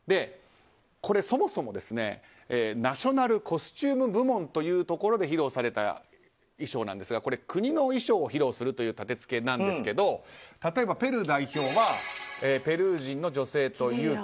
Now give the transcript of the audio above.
これ、そもそもナショナル・コスチューム部門というので披露された衣装なんですが国の衣装を披露するという立てつけなんですけど例えば、ペルー代表はペルー人の女性と勇気。